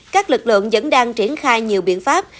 các lực lượng vẫn đang triển khai nhiều biện pháp